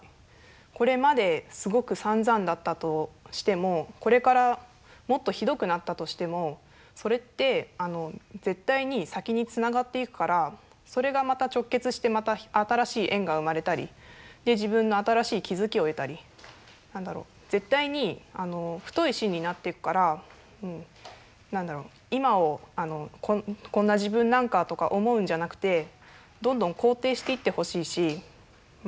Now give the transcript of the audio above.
これまですごくさんざんだったとしてもこれからもっとひどくなったとしてもそれって絶対に先につながっていくからそれがまた直結してまた新しい縁が生まれたりで自分の新しい気付きを得たり絶対に太い芯になっていくから今をこんな自分なんかとか思うんじゃなくてどんどん肯定していってほしいしま